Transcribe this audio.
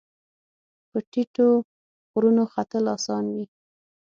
په ټیټو غرونو ختل اسان وي